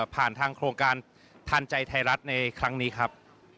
ผ่านทางโครงการทานใจไทยรัฐในครั้งนี้ครับ